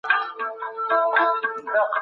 د ژوند حق د هر چا لپاره یو اساسي قانون دی.